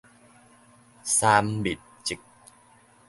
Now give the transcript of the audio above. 三密擠